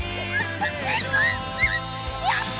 やった！